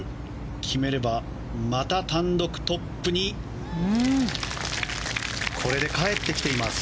決めて単独トップにこれで帰ってきています。